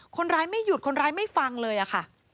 คนร้ายไม่หยุดคนร้ายไม่ฟังเลยอะค่ะ